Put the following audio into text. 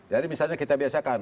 jadi misalnya kita biasakan